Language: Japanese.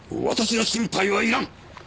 私の心配はいらん！